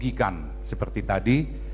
dirugikan seperti tadi